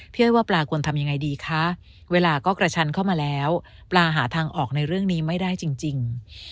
อ้อยว่าปลาควรทำยังไงดีคะเวลาก็กระชันเข้ามาแล้วปลาหาทางออกในเรื่องนี้ไม่ได้จริง